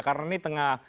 karena ini tengah